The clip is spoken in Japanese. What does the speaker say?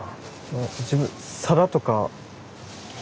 自分皿とか。